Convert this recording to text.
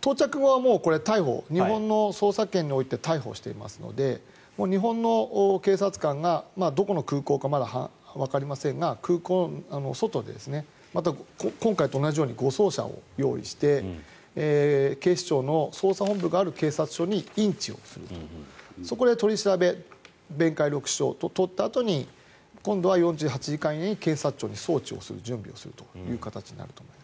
到着後はもう逮捕日本の捜査権において逮捕していますので日本の警察官がどこの空港かまだわかりませんが空港の外で今回と同じように護送車を用意して警視庁の捜査本部がある警察署に引致するというそこで取り調べを行ったあとに今度は４８時間以内に警察庁に送致をする準備をすると思います。